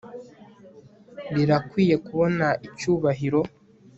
Birakwiye kubona icyubahiro